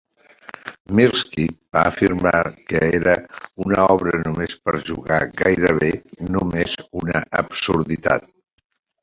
Mirsky va afirmar que era "una obra només per jugar, gairebé només una absurditat".